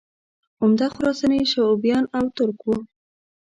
عمده خراساني شعوبیان او ترک وو